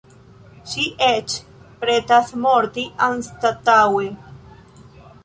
Ŝi eĉ pretas morti, anstataŭe.